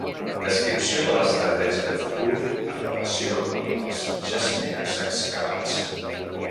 Descripció de l'estratègia de futur en relació amb els jaciments excavats.